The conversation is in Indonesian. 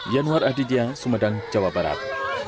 yanwar aditya sumedang jawa barat